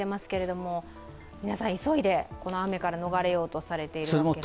皆さん、急いでこの雨から逃れようとされているわけですね。